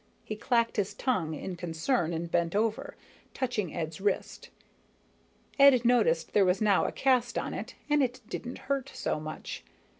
He clacked his tongue in concern and bent over, touching Ed's wrist. Ed noticed there was now a cast on it, and it didn't hurt so much.